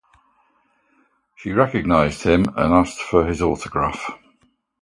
She recognized him and asked for his autograph.